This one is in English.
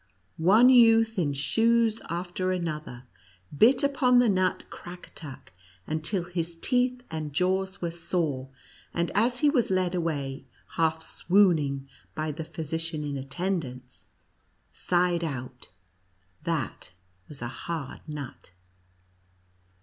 One youth in shoes after another, bit upon the nut Crackatuck until his teeth and jaws were sore, and as he was led away, half swooning, by the physician in attendance, sighed out, "That was a hard nut."